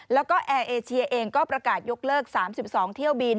แล้วก็แอร์เอเชียเองก็ประกาศยกเลิก๓๒เที่ยวบิน